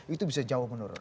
itu bisa jauh menurun